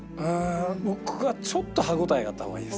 僕はちょっと歯応えがあった方がいいです。